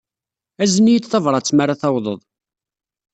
Azen-iyi-d tabṛat mi ara tawḍeḍ.